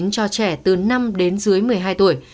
cho trẻ từ năm đến dưới một mươi hai tuổi